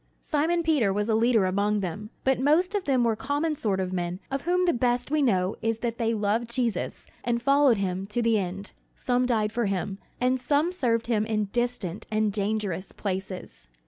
Simon Peter was a leader among them, but most of them were common sort of men of whom the best we know is that they loved Jesus and followed him to the end. Some died for him, and some served him in distant and dangerous places.